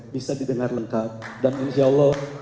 bisa didengar lengkap dan insya allah